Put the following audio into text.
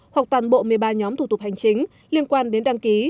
hoặc toàn bộ một mươi ba nhóm thủ tục hành chính liên quan đến đăng ký